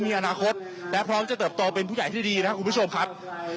คิดว่าจะเป็นผู้ใหญ่ที่ดีนะครับคุณผู้ชมครับ